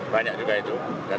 banyak juga itu